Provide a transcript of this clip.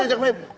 ayahnya ajak main